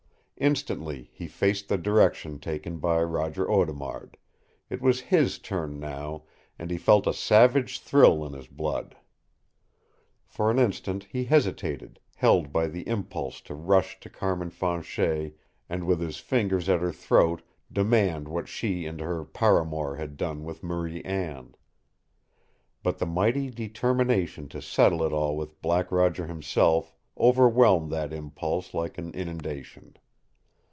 Instantly he faced the direction taken by Roger Audemard, it was HIS turn now, and he felt a savage thrill in his blood. For an instant he hesitated, held by the impulse to rush to Carmin Fanchet and with his fingers at her throat, demand what she and her paramour had done with Marie Anne. But the mighty determination to settle it all with Black Roger himself overwhelmed that impulse like an inundation.